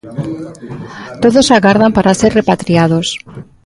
Todos agardan para ser repatriados.